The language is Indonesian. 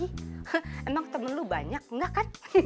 hah emang temen lo banyak nggak kan